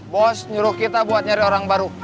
bos nyuruh kita buat nyari orang baru